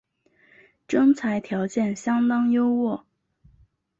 征才条件相当优渥